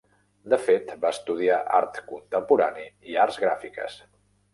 De fet, va estudiar art contemporani i arts gràfiques.